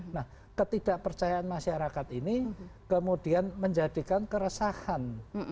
nah ketidakpercayaan masyarakat ini kemudian menjadikan keresahan